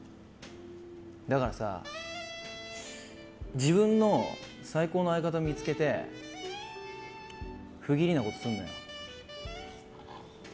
だからさ自分の最高の相方を見つけて不義理なことすんなよ。